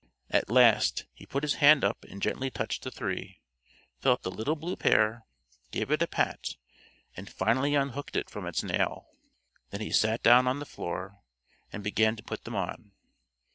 At last he put his hand up and gently touched the three, felt the little blue pair, gave it a pat, and finally unhooked it from its nail. Then he sat down on the floor, and began to put them on.